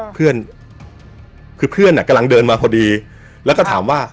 เพื่อนคือเพื่อนกำลังเดินมาพอดีแล้วก็ถามว่า